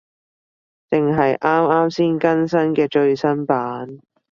正係啱啱先更新嘅最新版